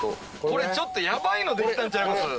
これちょっとヤバいのできたんちゃいます？